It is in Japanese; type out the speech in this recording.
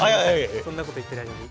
そんなこと言ってる間に。